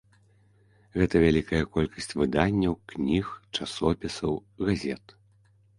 Гэта вялікая колькасць выданняў, кніг, часопісаў, газет.